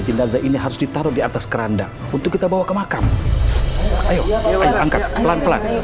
jenazah ini harus ditaruh di atas keranda untuk kita bawa ke makam ayo angkat pelan pelan